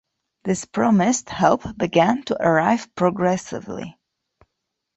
This promised help began to arrive progressively.